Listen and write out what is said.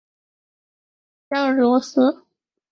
是不是很讽刺呢？